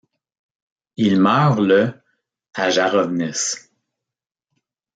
Il meurt le à Jarovnice.